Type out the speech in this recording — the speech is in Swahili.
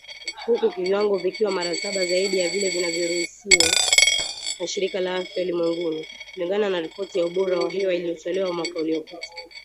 Huku viwango vikiwa mara saba zaidi ya vile vinavyoruhusiwa na Shirika la Afya Ulimwenguni, kulingana na ripoti ya ubora wa hewa iliyotolewa mwaka uliopita.